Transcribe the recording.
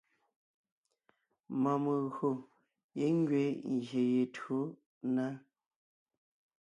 Mɔɔn megÿò giŋ ngẅiin ngyè ye tÿǒ na.